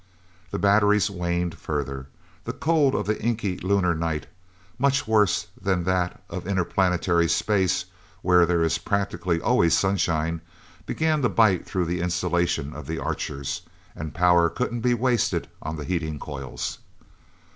The batteries waned further. The cold of the inky lunar night much worse than that of interplanetary space, where there is practically always sunshine, began to bite through the insulation of the Archers, and power couldn't be wasted on the heating coils.